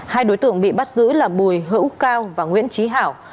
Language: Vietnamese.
hai đối tượng bị bắt giữ là bùi hữu cao và nguyễn trí hảo